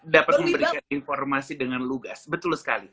dapat memberikan informasi dengan lugas betul sekali